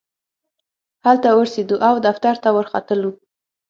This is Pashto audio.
هلته ورسېدو او دفتر ته ورختلو.